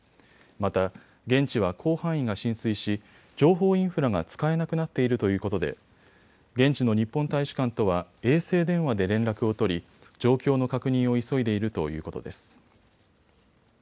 また、現地は広範囲が浸水し、情報インフラが使えなくなっているということで現地の日本大使館とは衛星電話で連絡を取り状況の確認を急いでいるということです。